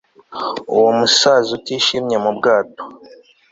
uwo musaza utishimye mubwato